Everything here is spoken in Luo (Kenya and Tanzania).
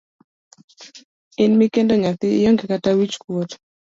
In mikendo nyathi, ionge kata wich kuot?